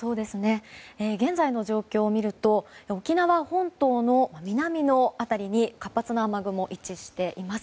現在の状況を見ると沖縄本島の南の辺りに活発な雨雲が位置しています。